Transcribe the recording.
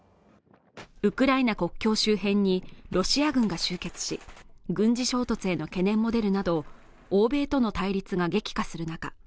ウクライナ国境周辺にロシア軍が集結し軍事衝突への懸念も出るなど欧米との対立が激化する中